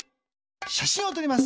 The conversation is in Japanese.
しゃしんをとります。